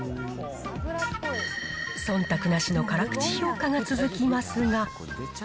そんたくなしの辛口評価が続きますが。